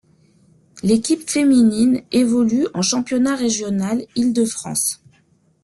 L'équipe Féminines évolue en championnat régional Ile-de-France.